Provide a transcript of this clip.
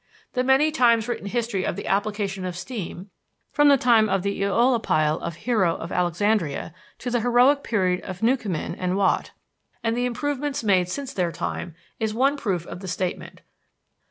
The many times written history of the application of steam, from the time of the eolipile of Hero of Alexandria to the heroic period of Newcomen and Watt, and the improvements made since their time, is one proof of the statement.